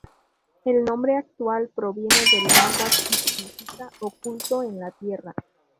El nombre actual, proviene del náhuatl, y significa "oculto en la tierra".